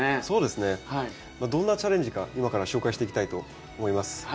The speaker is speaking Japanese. どんなチャレンジか今から紹介していきたいと思います。